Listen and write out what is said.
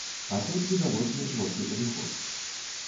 А тут відавочны творчы падыход.